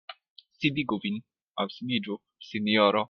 Sidigu vin (aŭ sidiĝu), sinjoro!